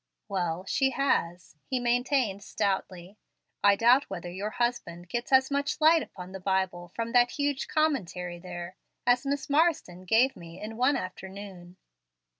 "Well, she has," he maintained stoutly. "I doubt whether your husband gets as much light upon the Bible from that huge commentary there as Miss Marsden gave me in one afternoon."